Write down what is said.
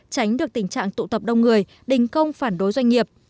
tránh được tình trạng tụ tập đông người đình công phản đối doanh nghiệp